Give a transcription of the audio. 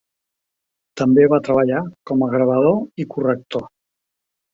També va treballar com a gravador i corrector.